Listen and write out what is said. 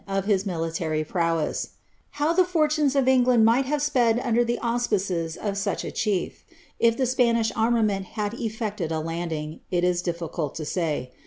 83 of his military prowess ; how the fortnoes of England might have sped under the auspices of such a chief, if the Spanish armament had efl^ted a hmding) it is difficult to say.